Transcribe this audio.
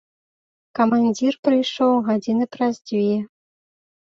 Камандзір прыйшоў гадзіны праз дзве.